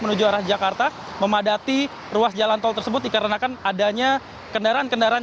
menuju arah jakarta memadati ruas jalan tol tersebut dikarenakan adanya kendaraan kendaraan